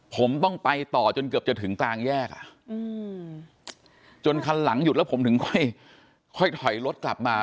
ผมต้องไปต่อจนเกือบจะถึงกลางแยกจนคันหลังหยุดแล้วผมถึงค่อยถอยรถกลับมา